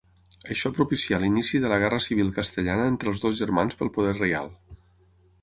Això propicià l'inici de la Guerra Civil castellana entre els dos germans pel poder reial.